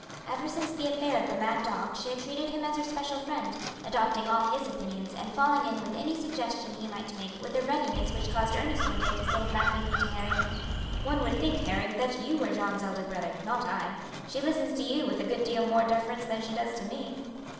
Ever since the affair of the mad dog she had treated him as her special friend, adopting all his opinions and falling in with any suggestion he might make with a readiness which caused Ernest one day to say laughingly to Harry: "One would think, Harry that you were Jeanne's elder brother, not I. She listens to you with a good deal more deference than she does to me."